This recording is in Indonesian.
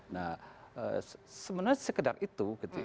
nah sebenarnya sekedar itu gitu ya